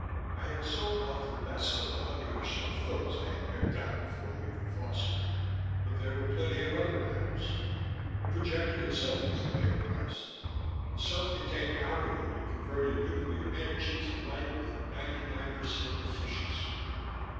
I had sold off the best of the hundred or so films I had picked out before leaving Foster, but there were plenty of other items. The projector itself was the big prize. The self contained power unit converted nuclear energy to light with 99 percent efficiency.